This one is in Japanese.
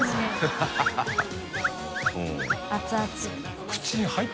ハハハ